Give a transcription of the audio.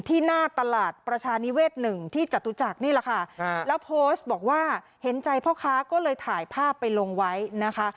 ที่หน้าตลาดประชานิเวศหนึ่งที่จตุจักรนี่แหละค่ะแล้วโพสต์บอกว่าเห็นใจพ่อค้าก็เลยถ่ายภาพไปลงไว้นะคะ